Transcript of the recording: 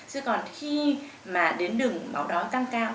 chứ còn khi mà đến đường máu đói tăng cao